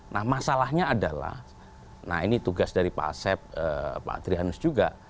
nah masalahnya adalah nah ini tugas dari pak asep pak trihanus juga